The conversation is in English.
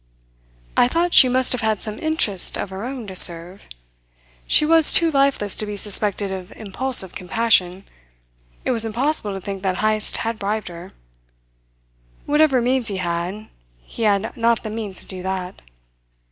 I thought she must have had some interest of her own to serve. She was too lifeless to be suspected of impulsive compassion. It was impossible to think that Heyst had bribed her. Whatever means he had, he had not the means to do that.